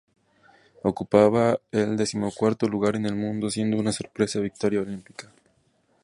Ocupaba el decimocuarto lugar en el mundo, siendo una sorpresa victoria olímpica.